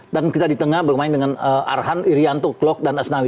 dan kita di tengah bermain dengan arhan irianto klok dan asnawi